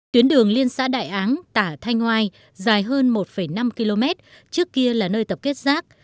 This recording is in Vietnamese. tuyến đường liên xã đại áng tả thanh hoai dài hơn một năm km trước kia là nơi tập kết rác